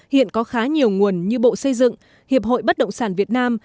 hiện có khá nhiều nguồn như bộ xây dựng hiệp hội bất động sản việt nam